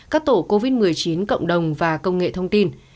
các tổ covid một mươi chín cộng đồng và công nghệ thông tin